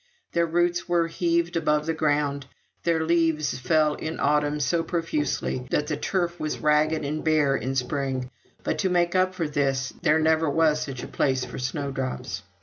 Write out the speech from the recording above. Their roots were heaved above ground; their leaves fell in autumn so profusely that the turf was ragged and bare in spring; but, to make up for this, there never was such a place for snowdrops.